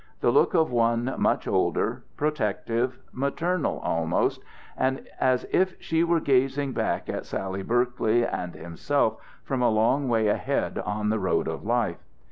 The look of one much older, protective, maternal almost, and as if she were gazing back at Sally Berkeley and himself from a long way ahead on the road of life.